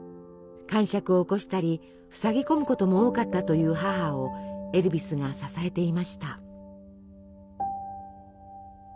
かんしゃくを起こしたりふさぎ込むことも多かったという母をエルヴィスが支えていました。